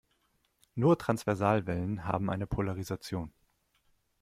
Nur Transversalwellen haben eine Polarisation.